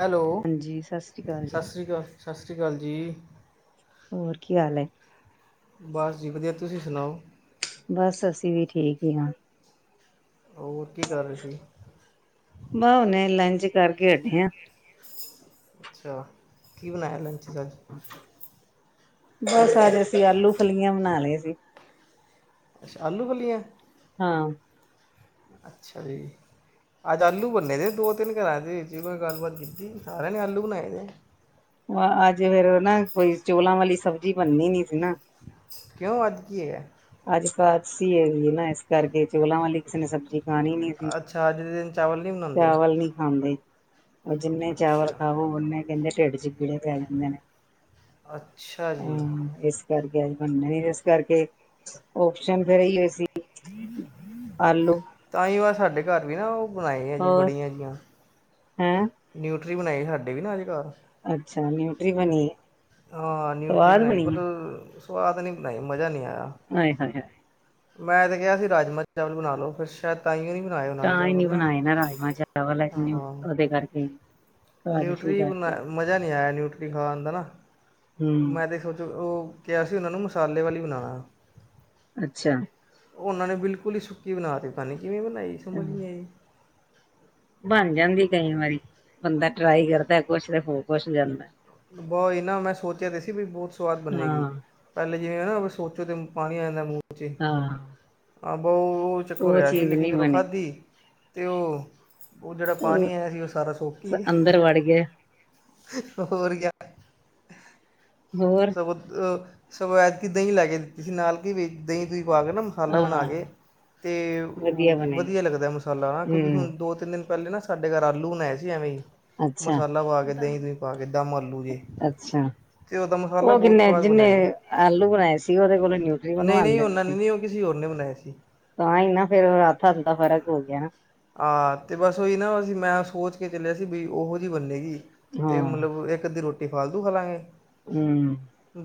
Hello, ਹਾਂਜੀ ਸਤਿ ਸ੍ਰੀ ਅਕਾਲ ਜੀ ਸਸਰੀ ਕਾਲ ਸਸਰੀ ਕਾਲ ਜੀ। ਹੋਰ ਕੀ ਹਾਲ ਹੈ ਬਸ ਜੀ ਵਧੀਆ। ਤੁਸੀ ਸੁਣਾਓ। ਬਸ ਅਸੀ ਵੀ ਠੀਕ ਹੀ ਹਾਂ। ਹੋਰ ਕੀ ਕਰ ਰਹੇ ਸੀ ਬਾਹ ਨੀ ਲੰਚ ਕਰਕੇ ਹੱਟੇ ਆ। ਅੱਛਾ। ਕੀ ਬਣਾਇ ਲੰਚ 'ਚ ਅੱਜ। ਬਸ ਅੱਜ ਅਸੀ ਆਲੂ ਫਲੀਆਂ ਬਣਾ ਲਈ ਸੀ। ਅੱਛਾ ਆਲੂ ਫਲੀਆਂ। ਹਾਂ। ਅੱਛਾ ਜੀ। ਅੱਜ ਆਲੂ ਬਣੇ ਨੇ ਦੋ ਤਿੰਨ ਘਰਾਂ ਦੇ ਮੈਂ ਗੱਲਬਤ ਕੀਤੀ ਸਾਰਿਆਂ ਨੇ ਆਲੂ ਬਣਾਏ ਨੇ। ਅੱਜ ਫਿਰ ਨਾ ਕੋਈ ਚੋਲਾਂ ਵਾਲੀ ਸਬਜ਼ੀ ਬਣਨੀ ਨੀ ਸੀ ਨਾ। ਕਿਉਂ ਅੱਜ ਕੀ ਹੋਇਆ। ਅੱਜ ਕਾਦਸੀ ਹੈਗੀ ਹੈ ਨਾ ਇਸ ਕਰਕੇ ਚੋਲਾਂ ਵਾਲੀ ਕਿਸੇ ਨੇ ਸਬਜ਼ੀ ਖਾਣੀ ਨੀ। ਅੱਛਾ ਅੱਜ ਦੇ ਦਿਨ ਚਾਵਲ ਨਹੀਂ ਬਣਾਉਂਦੇ ਚਾਵਲ਼ ਨੀ ਖਾਂਦੇ। ਉਹ ਜਿੰਨੇ ਚਾਵਲ਼ ਅੱਛਾ ਖਾਵੋ ਓਨ੍ਹੇ ਕਹਿੰਦੇ ਢਿੱਡ ਚ ਕੀੜੇ ਪੈ ਜਾਂਦੇ ਨੇ। ਅੱਛਾ ਜੀ। ਹਾਂ ਇਸ ਕਰਕੇ ਬਣਨੇ ਨਹੀਂ ਇਸ ਕਰਕੇ ਓਪਸ਼ਨ ਫਿਰ ਇਹੋ ਹੀ ਹੋਏ ਸੀ। ਆਲੂ ਤਾਂਹੀਓ ਅੱਜ ਸਾਡੇ ਘਰ ਵੀ ਨਾ ਉਹ ਬਣਾਏ ਆ ਜੀ ਹੋਰ ਬੜੀਆਂ ਜਿਹੀਆਂ। ਹੈਂ ਨਿਊਟਰੀ ਬਣਾਈ ਸਾਡੇ ਵੀ ਨਾ ਅੱਜ ਘਰ। ਅੱਛਾ ਨਿਊਟਰੀ ਬਣੀ ਏ। ਹਾਂ, ਨਿਊਟਰੀ ਸਵਾਦ ਬਣਾਈ ਬਣੀ ਪਰ ਏ ਸਵਾਦ ਨਹੀਂ ਬਣਾਈ ਮਜ਼ਾ ਨਹੀਂ ਆਇਆ। ਆਹੇ, ਹ, ਹ ਮੈਂ ਤੇ ਕਿਹਾ ਸੀ ਰਾਜਮਾਂਹ ਚਾਵਲ਼ ਬਣਾ ਲਉ ਫਿਰ ਸ਼ਾਇਦ ਤਾਈਓ ਨੀ ਬਣਾਏ ਉਹਨਾਂ ਨੂੰ ਤਾਂ ਹੀ ਚਾਵਲ਼ ਨੀ ਨਾ ਆਹ। ਦੇ ਕਰਕੇ ਏਕਾਦਸ਼ੀ ਨਿਊਟਰੀ ਕਰਕੇ ਮਜ਼ਾ ਨਹੀਂ ਨਿਊਟਰੀ ਖਾਣ ਦਾ ਨਾ ਹੂੰ ਮੈਂ ਤਾਂ ਸੋਚੋ ਉਹ ਕਿਹਾ ਸੀ ਉਹਨਾਂ ਨੂੰ ਮਸਾਲੇ ਬਣਾਨਾ। ਅੱਛਾ। ਉਹਨਾਂ ਨੇ ਬਿਲਕੁਲ ਹੀ ਸੁੱਕੀ ਬਣਾਤੀ ਪਤਾ ਨੀ ਕਿਵੇਂ ਬਣਾਈ ਸਮਝ ਨਹੀਂ ਆਈ। ਬਣ ਜਾਂਦੀ ਆ ਕਈ ਵਾਰੀ ਬੰਦਾ ਟਰਾਈ ਕਰਦਾ ਕੁਛ ਤੇ ਹੋਰ ਕੁਛ ਜਾਂਦਾ। ਬਹੁ ਇਹ ਨਾ ਮੈਂ ਸੋਚਿਆ ਤਾਂ ਸੀ ਵੀ ਬਹੁਤ ਸਵਾਦ ਬਣੇੇਗੀ। ਹਾਂ ਪਹਿਲੇ ਜਿਵੇਂ ਨਾ ਸੋਚੋ ਤਾਂ ਪਾਣੀ ਆ ਜਾਂਦਾ ਮੂੰਹ 'ਚ ਹਾਂ ਆਹ ਉਹ ਇੱਕ ਵਾਰੀ ਉਹ ਆਇਆ ਸੀ, ਚੀਜ਼ ਲੇਕਿਨ ਨਹੀਂ ਜਦੋਂ ਬਣੀ ਖਾਧੀ ਤੇ ਉਹ ਉਹ ਜਿਹੜਾ ਪਾਣੀ ਆਇਆ ਸੀ ਉਹ ਸਾਰਾ ਸੁੱਕ ਗਿਆ। ਅੰਦਰ ਵੜ ਗਿਆ ਹੋਰ ਕਿਆ। ਹੋਰ। ਸਗੋਂ ਐਤਕੀਂ ਦਹੀਂ ਲੈ ਕੇ ਦਿੱਤੀ ਸੀ ਨਾਲ ਕਿ ਵੀ ਦਹੀਂ-ਦੁਹੀ ਪਾ ਕੇ ਨਾ ਮਸਾਲਾ ਬਣਾ ਹਾਂ ਕੇ ਤੇ ਉ ਵਧੀਆ ਲੱਗਦਾ ਮਸਾਲਾ ਹਨਾਂ ਕਿਉਂਕਿ ਹੁਣ ਹੂੰ ਦੋ ਤਿੰਨ ਦਿਨ ਪਹਿਲੇ ਸਾਡੇ ਘਰ ਆਲੂ ਬਣਾਏ ਸੀ ਐਵੇਂ ਹੀ ਅੱਛਾ ਮਸਾਲਾ ਪਾ ਕੇ ਦਹੀਂ -ਦੁਹੀਂ ਪਾ ਕੇ ਦਮ ਆਲੂ ਜੀ ਅੱਛਾ ਜੇ ਉਹ ਦਮ ਉਹ ਕਿੰਨੇ ਜਿੰਨੇ ਆਲੂ ਬਣਾਏ ਸੀ ਉਹਦੇ ਕੋਲੋਂ ਨਿਊਟਰੀ ਨਹੀਂ ਨਹੀਂ ਬਣਵਾਉਂਦੇ ਉਹਨਾਂ ਨੇ ਤੁਸੀਂ। ਨਹੀਂ ਉਹ ਕਿਸੇ ਹੋਰ ਨੇ ਬਣਾਏ ਸੀ। ਤਾਂਹੀ ਨਾ ਫਿਰ ਹੱਥ ਹੱਥ ਦਾ ਫ਼ਰਕ ਹੋ ਗਿਆ ਨਾ। ਆਹ ਤੇ ਬਸ ਉਹੀ ਮੈਂ ਸੋਚ ਕੇ ਚੱਲਿਆ ਸੀ ਵੀ ਉਹੋ ਜਿਹੀ ਬੰਨੇਗੀ। ਤੇ ਹਾਂ। ਮਤਲਬ ਇੱਕ ਅੱਧੀ ਰੋਟੀ ਫਾਲਤੂ ਖਾਲਾਂਗੇ। ਹੂੰ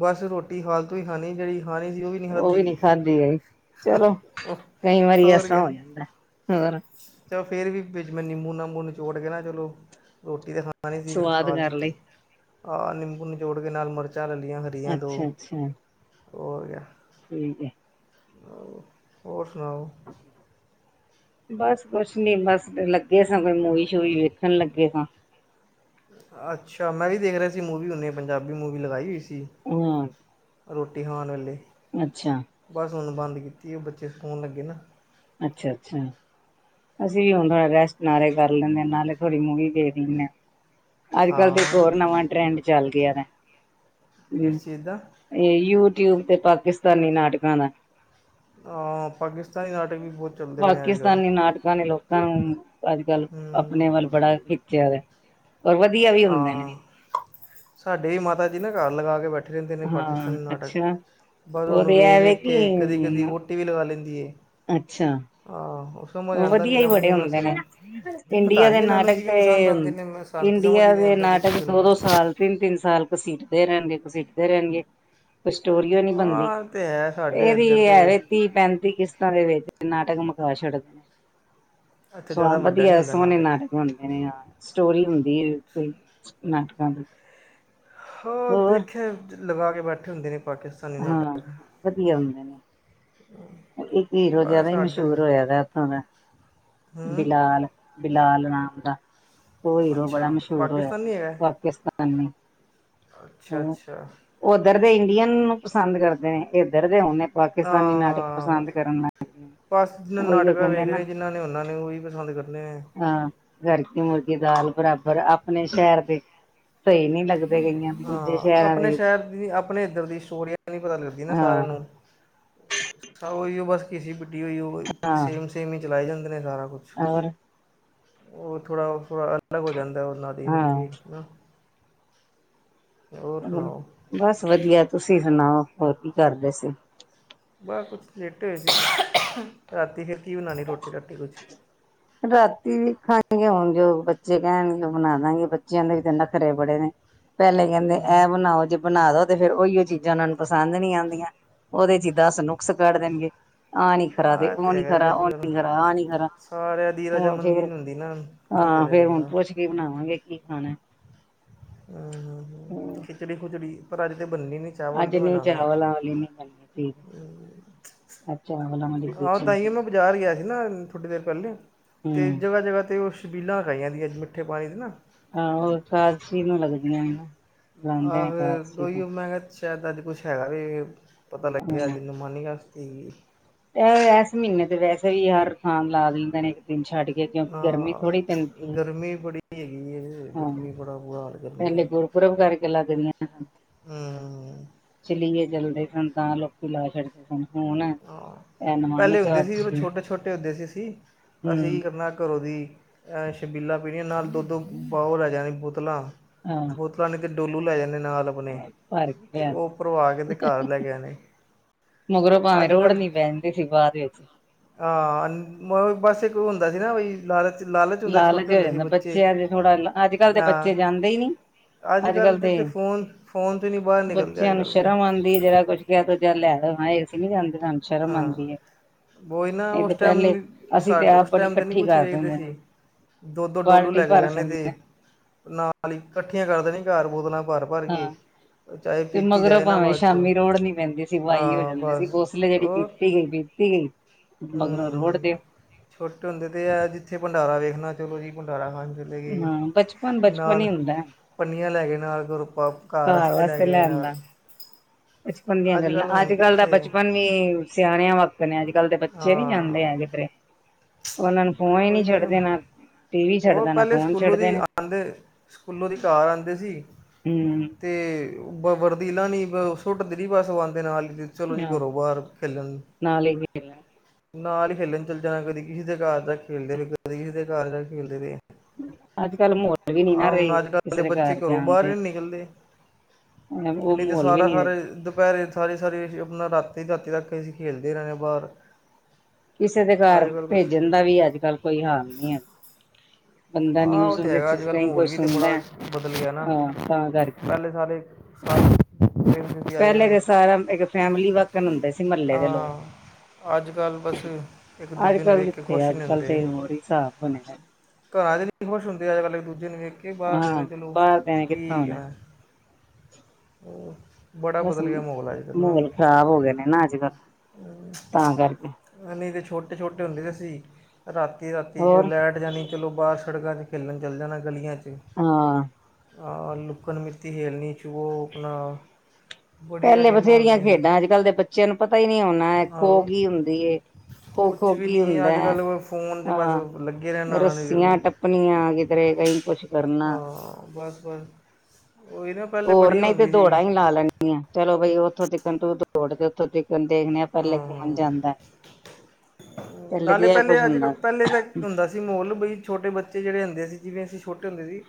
ਬਸ ਰੋਟੀ ਫਾਲਤੂ ਹੀ ਖਾਣੀ ਜਿਹੜੀ ਖਾਣੀ ਉਹ ਵੀ ਨਹੀਂ ਖਾਧੀ ਗਈ ਚਲੋ ਕਈ ਵਾਰੀ ਹੋਰ ਐਸਾ ਕਿਆ ਹੋ ਜਾਂਦਾ ਹੋਰ। ਚਲੋ ਫਿਰ ਵੀ ਵਿੱਚ ਮੈਂ ਨਿੰਬੂ -ਨਾਬੂ ਨਿਚੋੜ ਕੇ ਨਾ ਚਲੋ ਰੋਟੀ ਤੇ ਖਾਂ ਖਾਣੀ ਸੀ ਫਿਰ ਸਵਾਦ ਖਾਹ ਕਰ ਲਈ। ਲੀਤੀ ਆਹ ਨਿੰਬੂ ਨਿਚੋੜ ਕੇ ਨਾਲ ਮਿਰਚਾਂ ਲੈ ਲਈਆਂ ਫਿਰ ਪਈਆਂ ਦੋ ਅੱਛਾ-ਅੱਛਾ ਹੋਰ ਯਰ। ਠੀਕ ਏ ਹੋਰ ਸੁਣਾਓ। ਬਸ ਕੁਛ ਨੀ ਬਸ ਲੱਗੇ ਸਾਂ ਕੋਈ ਮੂਵੀ-ਸ਼ੂਵੀ ਵੇਖਣ ਲੱਗੇ ਹਾਂ। ਅੱਛਾ, ਮੈਂ ਵੀ ਦੇਖ ਰਿਹਾ ਸੀ ਮੂਵੀ ਨੇ ਪੰਜਾਬੀ ਮੂਵੀ ਲਗਾਈ ਹੋਈ ਸੀ। ਰੋਟੀ ਖਾਣ ਵੇਲੇ। ਅੱਛਾ। ਬਸ ਹੁਣ ਬੰਦ ਕੀਤੀ ਏ, ਬੱਚੇ ਸੋਣ ਲੱਗੇ ਨਾ। ਅੱਛਾ-ਅੱਛਾ। ਅਸੀ ਵੀ ਹੁਣ ਥੋੜਾ ਰੈਸਟ ਨਾਲੇ ਕਰ ਲੈਦੇ ਹਾਂ ਨਾਲੇ ਥੋੜੀ ਮੂਵੀ ਵੀ ਦੇਖ ਲੈਂਦੇ ਆ। ਅੱਜ-ਕੱਲ੍ਹ ਤਾਂ ਇੱਕ ਹਾਂ ਹੋਰ ਨਵਾਂ ਟਰੈਂਡ ਚੱਲ ਗਿਆ ਆਂ। ਕਿਸ ਚੀਜ਼ ਦਾ। ਇਹ ਯੂਟਿਊਬ ਤੇ ਪਾਕਿਸਤਾਨੀ ਨਾਟਕਾਂ ਦਾ। ਹਾਂ, ਪਾਕਿਸਤਾਨੀ ਨਾਟਕ ਵੀ ਬਹੁਤ ਚੱਲਦੇ ਪਏ ਅੱਜ-ਕੱਲ੍ਹ। ਪਾਕਿਸਤਾਨੀ ਨਾਟਕਾਂ ਨੇ ਲੋਕਾਂ ਨੂੰ ਅੱਜ-ਕੱਲ੍ਹ ਹੂੰ ਆਪਣੇ ਵੱਲ ਬੜਾ ਖਿੱਚਿਆ ਵਾ। ਔਰ ਵਧੀਆ ਵੀ। ਹੁੰਦੇ ਨੇ ਹਾਂ, ਸਾਡੇ ਵੀ ਮਾਤਾ ਜੀ ਨਾ ਘਰ ਲਗਾ ਕੇ ਬੈਠੇ ਰਹਿੰਦੇ ਨੇ ਹਾਂ ਪਾਕਿਸਤਾਨੀ ਨਾਟਕ ਅੱਛਾ ਬਸ ਉਹਨੂੰ ਉਹਦੇ ਵੇਖ ਐਵੇ -ਵੇਖ ਕਿ ਕੇ ਕਦੀ-ਕਦੀ ਵ ਟੀ ਵੀ ਲਗਾ ਲੈਦੀ ਐ। ਅੱਛਾ। ਆਹੋ। ਮਜ਼ਾ ਤਾਂ ਆਦਾ ਨਹੀਂ ਵਧੀਆ ਹੀ ਨਾ ਬੜੇ ਮੂੰਹ ਨਾ ਹੁੰਦੇ ਸਿਰ ਨੇ ਪਤਾ ਇੰਡੀਆ ਦੇ ਨਹੀਂ ਇਹਨਾ ਨੂੰ ਨਾਟਕ ਕਿਵੇਂ ਤੇ ਪਸੰਦ ਆਦੇ ਨੇ। ਤੇ ਸਮਝ ਹੀ ਇੰਡੀਆ ਨੀ ਦੇ ਆਂਦਾ ਕੁਛ ਨਾਟਕ ਵੀ ਉਹਨਾਂ ਦਾ ਦੋ-ਦੋ ਸਾਲ, ਤਿੰਨ -ਤਿੰਨ ਸਾਲ ਘਸੀਟਦੇ ਰਹਿਣਗੇ-ਘਸੀਟਦੇ ਰਹਿਣਗੇ। ਕੋਈ ਸਟੋਰੀਓ ਨੀ ਬਣਦੀ, ਆਹ ਤੇ ਹੈ ਸਾਡੇ ਇਹ ਵੀ ਇੱਧਰ ਦੇ ਐਵੇ ਤੀਹ-ਪੈਂਤੀ ਕਿਸ਼ਤਾਂ ਦੇ ਵਿੱਚ ਨਾਟਕ ਮੁਕਾ ਛੱਡਦੇ ਨੇ। ਇੱਥੇ ਸਮਾਂ ਜ਼ਿਆਦਾ ਵੱਡਾ ਨੀ ਵਧੀਆ ਹੁੰਦਾ ਸੋਹਣੇ ਨਾਟਕ। ਹੁੰਦੇ ਨੇ ਸਟੋਰੀ ਹੁੰਦੀ ਏ ਕੋਈ ਨਾਟਕਾਂ ਦੀ। ਹਾਂ ਹੋਰ ਦੇਖਿਆ ਲਗਾ ਕੇ ਬੈਠੇ ਹੁੰਦੇ ਨੇ ਪਾਕਿਸਤਾਨ ਹਾਂ ਵਧੀਆ ਹੁੰਦੇ ਨੇ। ਇੱਕ ਹੀਰੋ ਬਸ ਜਿਆਦਾ ਹੀ ਸਾਡੇ ਮਸ਼ਹੂਰ ਹੋਇਆ ਵ ਉੱਥੋ ਦਾ ਹੂੰ ਬਿਲਾਲ। ਬਿਲਾਲ ਨਾਮ ਦਾ, ਉਹ ਹੀਰੋ ਬੜਾ ਅੱਛਾ ਮਸ਼ਹੂਰ ਹੋਇਆ ਪਾਕਿਸਤਾਨੀ ਪਾਕਿਸਤਾਨੀ। ਅੱਛਾ-ਅੱਛਾ। ਉਹ ਉੱਧਰ ਦੇ ਇੰਡੀਅਨ ਨੂੰ ਪਸੰਦ ਕਰਦੇ ਨੇ ਇੱਧਰ ਦੇ ਹੁਣ ਪਾਕਿਸਤਾਨੀ ਨਾਟਕ ਹਾਂ ਪਸੰਦ ਬਸ ਕਰਨ ਲੱਗ ਗਏ। ਬਸ ਜਿਹਨੇ ਨਾਟਕਾਂ ਵੇਖਣੇ ਜਿਹਨਾਂ ਨੇ ਉਹਨਾਂ ਨੇ ਉਹੀ ਪਸੰਦ ਕਰਦੇੇ ਐ। ਹਾਂ ਘਰ ਕੀ ਮੁਰਗੀ ਦਾਲ ਬਰਾਬਰ। ਆਪਣੇ ਸ਼ਹਿਰ ਦੇ ਸਹੀ ਨਹੀ ਲੱਗਦੇ ਕਈਆਂ ਨੂੰ। ਹਾਂ, ਆਪਣੇ ਸ਼ਹਿਰ ਦੀ ਆਪਣੇ ਇੱਧਰ ਦੀ ਸਟੋਰੀ ਨ ਪਤਾ ਲੱਗਦੀ ਨਾ ਸਾਰਿਆਂ ਹਾਂ ਨੂੰ। ਉਹੀ ਉਹ ਬਸ ਕਿਸੇ ਵੱਡੀ ਹੋਈ ਹੋਵੇ। ਉਹ ਸੇਮ-ਸੇਮ ਹੀ ਚਲਾਏ ਜਾਂਦੇ ਨੇ ਸਾਰਾ ਕੁਛ। ਹੋਰ। ਹੋਰ ਥੋੜਾ-ਥੋੜਾ ਅਲੱਗ ਹੋ ਜਾਂਦਾ ਉਹਨਾਂ ਕਿੰਨੀ ਹਾਂ ਵੇਖ ਕੇ। ਹੋਰ ਸੁਣਾਓ ਬਸ ਵਧੀਆ, ਤੁਸੀ ਸੁਣਾਓ, ਹੋਰ ਕੀ ਕਰਦੇ ਸੀ? ਵਾਹ ਕੁਛ ਲੇਟੇ ਹੋਏ ਸੀ। ਰਾਤੀ ਫਿਰ ਕੀ ਬਣਾਉਣੀ ਰੋਟੀ-ਰਟੀ ਕੁਛ ਰਾਤੀ ਵੀ ਖਾਏਗੇ ਹੁਣ ਜੋ ਬੱਚੇ ਕਹਿਣਗੇ ਉਹ ਬਣਾ ਦਿਆਗੇ ਬੱਚਿਆਂ ਦੇ ਵੀ ਨਖਰੇ ਬੜੇ ਨੇ। ਪਹਿਲੇ ਕਹਿੰਦੇ ਐਹ ਬਣਾਓ ਜੇ ਬਣਾ ਦੋ ਤੇ ਫਿਰ ਉਹੀਓ ਚੀਜ਼ਾਂ ਉਹਨਾਂ ਨੂੰ ਪਸੰਦ ਨਹੀਂ ਆਦੀਆਂ। ਉਹਦੇ ਚ ਦਸ ਨੁਕਸ ਕੱਢ ਦੇਣਗੇ। ਆਹ ਨੀ ਖਰਾ ਤੇ ਉਹ ਤਾਂ ਨੀ ਹੈਗਾ ਖਰਾ ਅੱਜ ਉਹ ਕੱਲ੍ਹ ਨੀ ਖਰਾ ਆਹ ਨੀ ਖਰਾ, ਸਾਰਿਆਂ ਦੀ ਹੁਣ ਰਜਾਮੰਦੀ ਫਿਰ, ਨਹੀਂ ਹੁੰਦੀ ਨਾ ਕੀ ਹਾਂ ਕਰੇ ਫੇਰ ਹੁਣ ਬੰਦਾ ਪੁੱਛ ਕੇ ਬਣਾਵਾਂਗੇ ਕੀ ਖਾਣਾ। ਹੂੰ ਹੂੰ ਹੂੰ ਖਿਚੜੀ ਖੁਚੜੀ ਪਰ ਅੱਜ ਬਣਨੀ ਨੀ। ਅੱਜ ਨੀ ਚਾਵਲ ਵਾਲੀ ਨੀ, ਰੋਟੀ, ਚਾਵਲਾ ਵਾਲੀ ਕੋਈ ਆਹ ਚੀਜ਼ ਤਾਂਹੀਏ ਨੀ ਮੈਂ ਬਾਜ਼ਾਰ ਗਿਆ ਸੀ ਨਾ। ਥੋੜ੍ਹੀ ਦੇਰ ਪਹਿਲੇ ਤੇ ਹੂੰ ਜਗ੍ਹਾ-ਜਗਾ 'ਤੇ ਛਬੀਲਾਂ ਲਾਈਆਂ ਜਾਂਦੀਆਂ ਮਿੱਠੇ ਪਾਣੀ ਦੀ ਨਾ। ਹਾਂ ਹੋਰ ਫਾਰਸੀ ਨੂੰ ਲੱਗਦੀਆਂ ਨੇ। ਬੁਲਾਂਦੇ ਨੇ ਆਹ ਫਿਰ ਏਕਾਦਸ਼ੀ ਉਹੀਓ ਮੈ ਸ਼ਾਇਦ ਅੱਜ ਕੁਛ ਹੈਗਾ ਵੀ ਪਤਾ ਲੱਗਿਆ ਨੂੰ ਹਾਂ। ਅੱਜ ਨਿਮਾਨੀ ਆ ਸੀਗੀ। ਇਹ ਇਸ ਮਹੀਨੇ ਤੇ ਵੈਸੇ ਵੀ ਹਰ ਥਾਂ ਲਾ ਦਿੰਦੇ ਨੇ ਇੱਕ ਦਿਨ ਛੱਡ ਕੇ ਕਿਉਂਕਿ ਗਰਮੀ ਥੋੜ੍ਹੀ ਹਾਂ ਪੈਂਦੀ ਗਰਮੀ ਬੜੀ ਹੈਗੀ ਏ ਹਾਂ ਗਰਮੀ ਬੜਾ ਬੁਰਾ ਹਾਲ ਗਰਮੀ ਦਾ ਪਹਿਲੇ ਗੁਰਪੁਰਬ ਘਰਕੇ ਲਗਦੀ ਆ। ਹੂੰ ਚਲੀਏ ਜਲਦੇ ਸਨ ਤਾਂ ਲੋਕੀ ਲਾ ਛੱਡਦੇ ਸਨ। ਹੁਣ ਹਾਂ, ਇਹ ਨਮਾਨੀ ਪਹਿਲੇ ਕ ਹੁੰਦੇ ਸੀ ਜਦੋਂ ਅੱਛੀ ਛੋਟੇ-ਛੋਟੇ ਹੁੰਦੇ ਸੀ ਅਸੀ। ਅਸੀ ਹਮ ਕਰਨਾ ਘਰੋਂ ਦੀ ਹੈ ਛਬੀਲਾ ਪੀਣੀਆਂ ਨਾਲ ਦੁੱਧ ਦੋ ਬਾਓਲ ਉਹ ਲੈ ਜਾਣੀ ਬੋਤਲਾਂ ਹਾਂ ਬੋਤ ਬੰਨ ਕੇ ਡੋਲੂ ਲੈ ਜਾਣੇ ਨਾਲ ਆਪਣੇ ਭਰ ਕੇ ਤੇ ਉਹ ਲਿਆਂਦਾ ਭਰਵਾ ਕੇ ਘਰ ਲੈ ਕੇ ਆ ਨੇ। ਮਗਰੋ ਭਾਵੇਂ ਅੱਜ ਰੋੜ ਕੱਲ ਨੀ ਬਹਿਦੇ ਸੀ ਬਾਅਦ ਵਿੱਚ। ਹਾਂ ਬਸ ਇੱਕ ਹੁੰਦਾ ਸੀ ਨਾ ਬਈ ਲਾਲਚ ਲਾਲਚ ਹੁੰਦੇ ਸੀ ਛੋਟੇ ਹੋ ਹੁੰਦੇ ਸੀ ਜਾਂਦਾ ਬੱਚੇ ਬੱਚਿਆਂ ਦੇ ਥੋੜਾ ਅੱਜ ਕੱਲ੍ਹ ਦੇ ਆ। ਬੱਚੇ ਜਾਂਦੇ ਹੀ ਨੀ ਅੱਜ ਅੱਜ-ਕੱਲ੍ਹ ਕੱਲ੍ਹ ਦੇ ਤਾਂ ਫੋਨ-ਫੋਨ 'ਚ ਨਹੀਂ ਬਾਹਰ ਨਿਕਲਦੇ ਅੱਜ-ਕੱਲ੍ਹ ਦੇ। ਵੀ ਜਿਹੜਾ ਕੁਛ ਕਿਹਾ ਜਾ ਲੈ ਲੋ ਇਹ ਅਸੀ ਨੀ ਜਾਂਦੇ ਸਾਨੂੰ ਸ਼ਰਮ ਆਦੀ ਐ। ਬੋਈ ਨਾ ਉਸ ਟਾਈਮ ਤੇ ਆਪ ਉਸ ਬੜੀ ਟਾਈਮ ਤੇ ਨੀ ਇਕੱਠੀ ਕੁਛ ਕਰ ਵੇਖਦੇ ਦਿੰਦੇ ਹਾਂ। ਸੀ। ਦੋ-ਦੋ ਡੋਲੂ ਬਾਲਟੀ ਲੈ ਕੇ ਭਰ ਜਾਨੇ ਤੇ ਛੱਡਦੇ ਨਾਲ ਹੀ ਇਕੱਠੀਆਂ ਕਰ ਦੇਣੀਆਂ ਘਰ ਬੋਤਲਾਂ ਭਰ ਭਰ ਕੇ ਹਾਂ ਚਾਹੇ ਤੇ ਪੀਤੀ ਮਗਰੋ ਜਾਏ ਨਾ ਭਾਵੇਂ ਬਾਅਦ 'ਚੋਂ ਸ਼ਾਮੀ ਰੋੜ ਨੀ ਪੈਂਦੀ ਸੀ ਬਈ ਹੋ ਹਾਂ ਜਾਂਦੀ ਸੀ ਬਸ ਗੋਸ ਜਿਹੜੀ ਪੀਤੀ ਗਈ ਪੀਤੀ ਗਈ। ਮਗਰੋਂ ਰੋੜ ਹੁਅ ਦਿਓ ਹੁਅ ਛੋਟੇ ਹੁੰਦੇ ਤੇ ਇਹ ਆ ਜਿੱਥੇ ਭੰਡਾਰਾ ਵੇਖਣਾ ਚਲੋ ਜੀ ਭੰਡਾਰਾ ਖਾਣ ਚਲੇ। ਤੇ ਹਾਂ ਬਚਪਨ ਕਿ ਬਚਪਨ ਨਾਲ ਹੀ ਹੁੰਦਾ ਪੰਨੀਆਂ ਲੈ ਕੇ ਨਾਲ ਤੁਰ ਪਾ ਘਰ ਰਸਤੇ ਲੈ ਵਾਸਤੇ ਕੇ ਆਏ ਲੈਣ ਦਾ। ਨਾਲ। ਬਚਪਨ ਦੀਆਂ ਅੱਜ ਗੱਲਾਂ ਕੱਲ੍ਹ ਹੁਣ ਅੱਜ-ਕੱਲ੍ਹ ਦਾ ਕਿੱਥੇ ਬਚਪਨ ਵੀ ਸਿਆਣਿਆਂ ਵਕਤ ਨੇ ਅੱਜ-ਕੱਲ੍ਹ ਦੇ ਬੱਚੇ ਨੀ ਹਾਂ ਜਾਂਦੇ ਹੈਗੇ ਜਧਰੇ ਉਹਨਾਂ ਨੂੰ ਫੋਨ ਹੀ ਛੱਡਦੇ ਨਾ। ਟੀ ਵੀ ਉਹ ਛੱਡਦਾ ਨਾ ਪਹਿਲੇ ਫੋਨ ਸਕੂਲੋ ਛੱਡਦੇ ਦੀ ਨੇ ਆਦੇ ਸਕੂਲੋ ਦੀ ਘਰ ਆਦੇ ਸੀ। ਹੂੰ ਅਤੇ ਬ ਵਰਦੀ ਲਾਂਨੀ ਬ ਸੁੱਟ ਦੇਣੀ ਬਸ ਆਦੇ ਨਾਲ ਹੀ। ਚਲੋ ਜੀ ਘਰੋ ਬਾਹਰ ਖੇਲਣ। ਨਾਲ ਹੀ ਖੇਲ ਨਾਲ ਹੀ ਖੇਲਣ ਚੱਲ ਜਾਣਾ। ਕਦੇ ਕਿਸੇ ਦੇ ਘਰ ਜਾ ਖੇਲਦੇ ਰਹੇ, ਕਦੇ ਕਿਸੇ ਦੇ ਘਰ ਜਾ ਖੇਲਦੇ ਰਹੇ। ਅੱਜ ਕੱਲ ਮਾਹੌਲ ਵੀ ਨੀ ਨਾ ਆਹ ਰਹੇ ਹੁਣ ਅੱਜ-ਕੱਲ੍ਹ ਕਿਸੇ ਦੇ ਬੱਚੇ ਘਰ ਘਰੋ ਜਾਣ ਬਾਹਰ ਦੇ। ਨੀ ਨਿਕਲਦੇ। ਉਹ ਪਹਿਲੀ ਤੇ ਮਾਹੌਲ ਵੀ ਨੀ ਹੈ। ਸਾਰਾ-ਸਾਰਾ ਦੁਪਹਿਰੇ ਸਾਰੀ-ਸਾਰੀ ਅਸੀ ਆਪਣਾ ਰਾਤੀ-ਰਾਤੀ ਤੱਕ ਅਸੀ ਹਾਂ ਬਾਹਰ ਕਿਸੇ ਦੇ ਘਰ ਅੱਜ ਕੱਲ੍ਹ ਕੁਛ ਭੇਜਣ ਦਾ ਵੀ ਅੱਜ-ਕੱਲ੍ਹ ਕੋਈ ਹਾਲ ਨਹੀ ਐ। [inaudible] ਆਹ ਉਹ ਤੇ ਹੈਗਾ ਅੱਜ-ਕੱਲ੍ਹ ਮਾਹੋਲ ਕੁਛ ਵੀ ਤੇ ਸੁਣਦਾ ਬੜਾ ਬਦਲ ਗਿਆ ਨਾ ਹਾਂ ਤਾਂ ਕਰਕੇ ਪਹਿਲੇ ਸਾਰੇ ਸਾਰੇ ਖੇਲ ਦੇ। ਪਹਿਲੇ ਤਾਂ ਸਾਰਾ ਇੱਕ ਫੈਮਿਲੀ ਵਰਕਨ ਹੁੰਦੇ ਸੀ ਮਹੱਲੇ ਦੇ ਲੋਕ। ਹਾਂ ਅੱਜ ਕੱਲ੍ਹ ਬਸ ਇੱਕ ਦੂਜੇ ਨੂੰ ਅੱਜ-ਕੱਲ੍ਹ ਵੇਖ ਕੇ ਕਿੱਥੇ ਖੁਸ਼ ਨਹੀਂ ਅੱਜ-ਕੱਲ੍ਹ ਹੁੰਦੇ ਤੇ ਹੋਰ ਹੀ ਹਿਸਾਬ ਬਣਿਆ। ਘਰਾਂ ਨਹੀਂ ਖੁਸ਼ ਹੁੰਦੇ ਅੱਜ ਇੱਕ ਦੂਜੇ ਨੂੰ ਵੇਖ ਕੇ ਬਾਹਰ ਹਾਂ ਦੇ ਚਲੋ ਬਾਹਰ ਦੇ ਨੇ ਕਿੱਥੋਂ ਕੀਅ ਆਉਣਾ ਆ। [inaudible] ਬੱਸ ਮਾਹੌਲ ਖ਼ਰਾਬ ਹੋ ਗੇ ਨੇ ਨਾ ਅੱਜ ਕੱਲ ਤਾਂ ਕਰਕੇ ਹਲੇ ਤੇ ਛੋਟੇ-ਛੋਟੇ ਹੁੰਦੇ ਅਸੀਂ ਰਾਤੀ-ਰਾਤੀ ਜਦੋਂ ਹੋਰ ਲੈਟ ਜਾਣੀ ਚਲੋ ਬਾਹਰ ਸੜਕਾਂ 'ਚ' ਖੇਡਣ ਚੱਲ ਜਾਣਾ ਗਲੀਆਂ 'ਚ' ਹਾਂ। ਲੁੱਕਣ ਮਿੱਤੀ ਖੇਲਣੀ 'ਚ' ਉਹੋ ਆਪਣਾ ਬੜੀਆਂ ਪਹਿਲੇ ਗੇਮਾਂ ਬਥੇਰੀਆਂ ਹੁੰਦੀਆਂ ਸੀ ਖੇਡਾਂ ਅੱਜ-ਕੱਲ ਦੇ ਬੱਚਿਆਂ ਨੂੰ ਪਤਾ ਹੀ ਨਹੀਂ ਹੋਣਾ ਖੋ ਆਹੋ ਕੀ ਹੁੰਦੀ ਏ ਕੁਛ ਖੋ-ਖੋ ਵੀ ਕੀ ਨਹੀਂ ਹੁੰਦਾ, ਅੱਜ ਕੱਲ੍ਹ ਫੋਨ 'ਚ ਬਸ ਲੱਗੇ ਰਹਿਣਾ ਰੱਸ ਉਹਨਾਂ ਨੇ ਰੱਸੀਆਂ ਉਹ ਟੱਪਣੀਆਂ ਕਿੱਧਰੇ ਕਈ ਕੁੱਛ ਕਰਨਾ। ਹਾਂ ਬੱਸ। ਹੋਰ ਨਹੀਂ ਤੇ ਦੌੜਾ ਹੀ ਲਾ ਲੈਣ ਆ ਚਲੋ ਬਈ ਉੱਥੋਂ ਤਖਣ ਤੂੰ ਦੌੜ ਤੇ ਉੱਥੋਂ ਤ ' [unintelligible] ' ਪਹਿਲੇ ਕੌਣ ਹਾਂ ਜਾਂਦਾ। ਨਾਲੇ ਤੇ ਇਹ ਕੁਛ ਪਹਿਲੇ ਅੱਜ-ਕੱਲ੍ਹ ਹੁੰਦਾ ਸੀ। ਪਹਿਲੇ ਤਾਂ ਹੁੰਦਾ ਸੀ। ਮਾਹੌਲ ਬਈ ਛੋਟੇ ਬੱਚੇ ਜਿਹੜੇ ਹੁੰਦੇ ਸੀ। ਜਿਵੇਂ ਅਸੀਂ ਛੋਟੇ ਹੁੰਦੇ ਸੀ।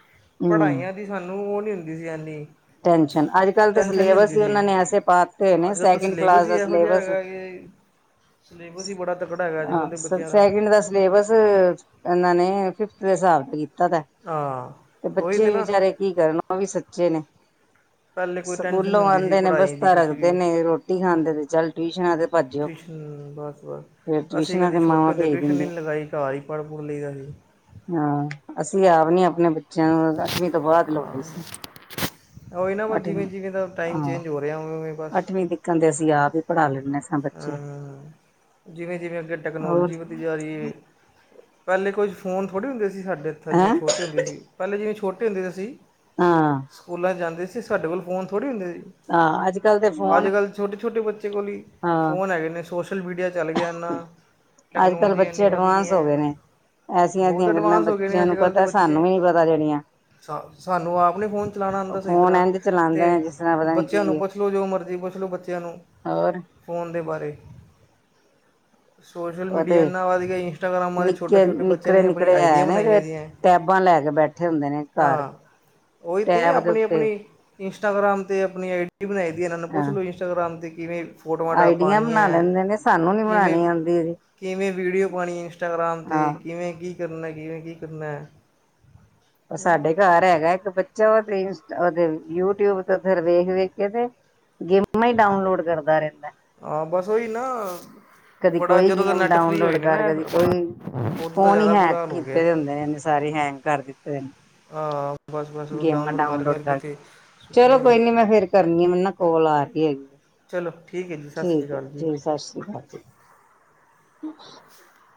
ਹਮ ਪੜ੍ਹਾਈਆਂ ਦੀ ਸਾਨੂੰ ਉਹ ਨੀ ਹੁੰਦੀ ਸੀ ਐਨੀ ਟੈਨਸ਼ਨ ਅੱਜ ਕੱਲ੍ਹ ਤੇ ਟੈਂਨਸ਼ਨ ਨੀ ਸਿਲੇਬਸ ਹੁੰਦੀ ਹੀ ਸੀ। ਉਹਨਾਂ ਨੇ ਐਸੇ ਪਾਤੇ ਹੋਏ ਨੇ ਅੱਜ-ਕੱਲ ਸੈਕਿੰਡ ਸਿਲੇਬਸ ਕਲਾਸ ਹੀ ਦਾ ਇਹੋ ਜਿਹਾ ਸਿਲੇਬਸ ਹੈਗਾ ਕਿ ਸਿਲੇਬਸ ਹੀ ਬੜਾ ਤਕੜਾ ਹੈਗਾ ਅੱਜ ਕੱਲ੍ਹ ਦੇ ਬੱਚਿਆਂ ਸੈਕਿੰਡ ਦਾ ਸਿਲੇਬਸ ਇਹਨਾਂ ਨੀ ਫਿਫਥ ਦੇ ਹਿਸਾਬ ਤੇ ਕੀਤਾ। ਪਤਾ ਹਾਂ ਤੇ ਉਹੀ ਬੱਚੇ ਤਾਂ ਵੀ ਨਾ ਵਿਚਾਰੇ ਕੀ ਕਰਨ ਉਹ ਵੀ ਸੱਚੇ ਨੇ। ਪਹਿਲੇ ਕੋਈ ਟੈਨਸ਼ਨ ਸਕੂਲੋਂ ਹੁੰਦੀ ਸੀ ਆਂਦੇ ਨੇ ਪੜ੍ਹਾਈ ਦੀ ਬਸਤਾ ਕੁਛ ਰੱਖਦੇ ਵੀ ਨੇ ਰੋਟੀ ਖਾਂਦੇ ਤੇ ਚੱਲ ਟਿਊਸ਼ਨਾਂ ਤੇ ਭੱਜਿਓ ਟਿਊਸਨ ਬੱਸ-ਬੱਸ ਫਿਰ ਅਸੀਂ ਟਿਊਸ਼ਨਾਂ ਕਦੀ ਤੇ ਛੋਟੇ ਮਾਵਾਂ ਹੁੰਦੇ ਭੇਜ ਟਿਊਸ਼ਨ ਦਿੰਦੀਆਂ ਨਹੀਂ ਲਗਾਈ ਘਰ ਹੀ ਪੜ੍ਹ-ਪੁੜ੍ਹ ਲਈਦਾ ਸੀ‌। ਹਾਂ ਅਸੀਂ ਆਪ ਨੀ ਆਪਣੇ ਬੇ 'ਚ' ਅੱਠਵੀਂ ਤੋਂ ਬਾਅਦ ਲਵਾਈ ਸੀ ਹਾਂ, ਏ ਨਾ ਬੱਸ ਅੱਠਵੀਂ ਜਿਵੇਂ-ਜਿਵੇਂ ਦਾ ਟਾਈਮ ਚੇਂਜ ਹੋ ਰਿਹਾ ਉਵੇਂ-ਉਵੇਂ ਬੱਸ ਕਹਿੰਦੇ ਅਸੀਂ ਆਪ ਹੀ ਪੜਾ ਲੈਨੇ ਆ ਜਿਵੇਂ-ਜਿਵੇਂ ਅੱਗੇ ਹੋਰ ਟੈਕਨੋਲੋਜੀ ਵਧੀ ਵੀਆਰੀ, ਪਹਿਲੇ ਕੁਝ ਫੋਨ ਥੋੜ੍ਹੇ ਹੁੰਦੇ ਸੀ। ਸਾਡੇ ਇੱਥੇ ਹੈਂ ਜਿਵੇਂ ਛੋਟੇ ਹੁੰਦੇ ਸੀ‌। ਪਹਿਲੇ ਜਿਵੇਂ ਛੋਟੇ ਹੁੰਦੇ ਅਸੀ ਹਾਂ। ਸਕੂਲਾਂ 'ਚ' ਜਾਂਦੇ ਸੀ ਸਾਡੇ ਕੋਲ ਫੋਨ ਥੋੜ੍ਹੀ ਹੁੰਦੇ ਸੀ। ਹਾਂ, ਅੱਜ-ਕੱਲ੍ਹ ਦੇ ਫੋਨ ਛੋਟੇ-ਛੋਟੇ ਬੱਚੇ ਕੋਲ ਹੀ ਹਾਂ ਫੋਨ ਹੈਗੇ ਨੇ। ਸੋਸ਼ਲ ਮੀਡੀਆ ਚੱਲ ਗਿਆ ਇਨਾਂ ਅੱਜ-ਕੱਲ੍ਹ ਬੱਚੇ ਐਡਵਾਂਸ ਹੋ ਗਏ ਨੇ। ਬਹੁਤ ਐਸੀਆਂ-ਐਸੀਆਂ ਗੱਲਾਂ ਐਡਵਾਂਸ ਹੋ ਗਏ ਨੇ ਬੱਚਿਆਂ ਨੂੰ ਪਤਾ ਸਾਨੂੰ ਵੀ ਨੀ ਪਤਾ ਜਿਹੜੀਆਂ ਸਾ-ਸਾਨੂੰ ਆਪ ਨੀ ਫੋਨ ਚਲਾਂਣਾ ਆਂਦਾ ਸਹੀ ਫੋਨ ਤਰ੍ਹਾਂ ਇੰਝ ਤੇ ਚਲਾਉਂਦੇ ਨੇ ਜਿਸ ਤਰ੍ਹਾਂ ਪਤਾ ਨੀ ਬੱਚਿਆਂ ਨੂੰ ਪੁੱਛ ਲਓ ਜੋ ਮਰਜ਼ੀ ਪੁੱਛ ਲਓ। ਬੱਚੇ ਤੈਨੂੰ ਔਰ ਫੋਨ ਦੇ ਬਾਰੇ ਸੋਸ਼ਲ ਉਹ ਮੀਡੀਆ ਤੇ ਇਹਨਾਂ ਵੱਧ ਗਿਆ ਜੀ ਇੰਸਟਾਗਰਾਮਾਂ ਦੇ ਨਿੱਕੇ ਛੋਟੇ-ਛੋਟੇ ਬੱਚਿਆਂ ਨਿੱਕੜੇ ਨੇ ਆਪਣੀ ਨਿੱਕੜੇ ਆਈਡੀਆ ਹੈ ਨੇ ਬਣਾਈਆਂ ਤੇ ਦੀਆਂ ਟੈਬਾਂ ਲੈ ਕੇ ਬੈਠੇ ਹੁੰਦੇ ਨੇ ਘਰ ਹਾਂ ਉਹੀ ਤੇ ਟੈਬ ਦੇ ਉੱਤੇ ਆਪਣੀ-ਆਪਣੀ ਇੰਸਟਾਗ੍ਰਾਮ 'ਤੇ ਆਪਣੀ ਆਈ ਡੀ ਬਣਾਈ ਦੀ ਇਹਨਾਂ ਨੂੰ ਪੁੱਛ ਹਾਂ ਲਓ ਇੰਸਟਾਗ੍ਰਾਮ 'ਤੇ ਕਿਵੇਂ ਫੋਟੋਆਂ ਆਈਡੀਆਂ ਬਣਾ ਡਾਪਾਂਉਣੀਆਂ, ਲੈਂਦੇ ਨੇ ਸਾਨੂੰ ਨੀ ਕਿਵੇਂ ਬਣਾਉਣੀ ਆਉਂਦੀ ਜੀ ਕਿਵੇਂ ਵੀਡੀਓ ਪਾਣੀ ਇੰਸਟਾਗ੍ਰਾਮ ਹਾਂ 'ਤੇ ਕਿਵੇਂ ਕਿ ਕੀ ਕਰਨਾ ਕਿਵੇਂ ਕੀ ਕਰਨਾ ਐ। ਸਾਡੇ ਘਰ ਐਗਾ ਇੱਕ ਬੱਚਾ ਉਹ ਤੇ ਯੂਟਿਊਬ ਤੇ ਵੇਖ-ਵੇਖ ਕੇ ਤੇ ਗੇਮਾਂ ਹੀ ਡਾਊਨਲੋਡ ਕਰਦਾ ਰਹਿੰਦਾ। ਹਾਂ ਬਸ ਉਹੀ ਨਾ ਕਦੀ ਬੜਾ ਕੋਈ ਜਦੋਂ ਦਾ ਗੇਮ ਨੈੱਟ ਫ੍ਰੀ ਡਾਊਨਲੋਡ ਹੋਏ ਨੇ ਕਰ ਨਾ ਕਦੀ ਆਪਣਾ ਕੋਈ ਉਦੋਂ ਤਾਂ ਫੋਨ ਹੀ ਜ਼ਿਆਦਾ ਹੈਕ ਬੁਰਾ ਹਾਲ ਹੋ ਗਿਆ ਕੀਤੇ ਹੁੰਦੇ ਨੇ। ਇਹਨੇ ਸਾਰੇ ਹੈਂਗ ਕਰ ਦਿੱਤੇ ਨੇ। ਹ ਬਸ-ਬਸ ਉਹ ਗੇਮਾਂ ਡਾਊਨਲੋਡ ਕਰ-ਕਰ ਕਰਕੇ ਤੇ ਚਲੋ ਸੁੱਟਦਾ। ਕੋਈ ਨੀ ਮੈਂ ਫੇਰ ਕਰਨੀ ਆ ਮੈ ਨਾ ਕੋਲ ਆ ਕੇ ਐਗੀ। ਚਲੋ ਠੀਕ ਹੈ ਜੀ। ਸਤਿ ਸ਼੍ਰੀ ਠੀਕ ਐ ਅਕਾਲ ਜੀ ਚਲੋ ਸਾਸਰੀਕਾਲ ਜੀ [inaudible]